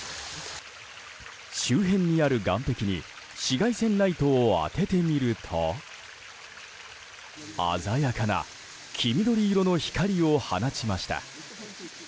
周辺にある岸壁に紫外線ライトを当ててみると鮮やかな黄緑色の光を放ちました。